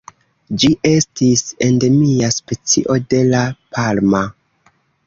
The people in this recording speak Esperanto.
Ĝi estis endemia specio de La Palma.